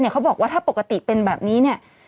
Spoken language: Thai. เขาบอกว่าถ้าปกติเป็นแบบนี้เนี่ย